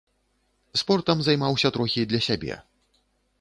Спортам займаўся трохі для сябе.